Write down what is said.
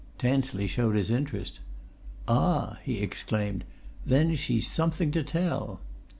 Tansley showed his interest. "Ah!" he exclaimed. "Then, she's something to tell."